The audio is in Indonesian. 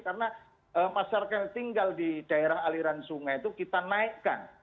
karena masyarakat yang tinggal di daerah aliran sungai itu kita naikkan